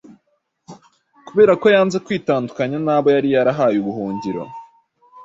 kubera ko yanze kwitandukanya n’abo yari yahaye ubuhungiro